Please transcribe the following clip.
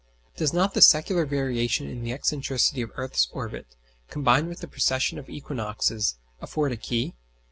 Does not the secular variation in excentricity of the earth's orbit, combined with the precession of the equinoxes, afford a key?